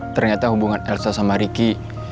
ternyata hubungan elsa sama ricky